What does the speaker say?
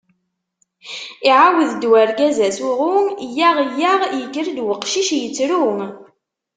Iɛawed-d urgaz asuɣu: iyyaɣ, iyyaɣ, yekker-d uqcic, yettru.